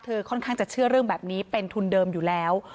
ค่อนข้างจะเชื่อเรื่องแบบนี้เป็นทุนเดิมอยู่แล้ว